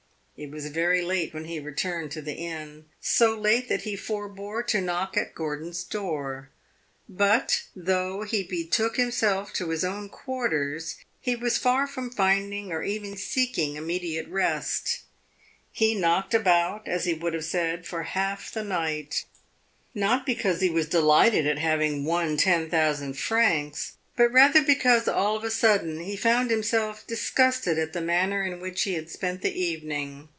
It was very late when he returned to the inn so late that he forbore to knock at Gordon's door. But though he betook himself to his own quarters, he was far from finding, or even seeking, immediate rest. He knocked about, as he would have said, for half the night not because he was delighted at having won ten thousand francs, but rather because all of a sudden he found himself disgusted at the manner in which he had spent the evening.